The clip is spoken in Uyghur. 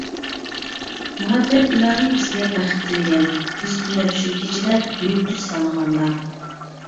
مۇھەببەت ئىلاھى بىزگە بەخت تىلىگەن، بىز تۈنەپ شۇ كېچىدە يۇلتۇز سانىغاندا.